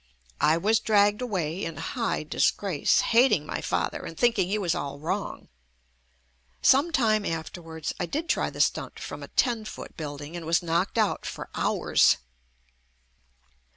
I was dragged away in high disgrace, hating my father and thinking he was all wrong. Some time afterwards I did try the stunt from a ten foot building and was knocked out for hours.